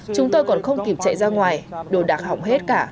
chúng tôi còn không kịp chạy ra ngoài đồ đạc hỏng hết cả